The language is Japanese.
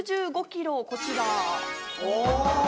こちら。